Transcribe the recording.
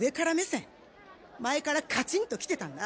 前からカチンと来てたんだ。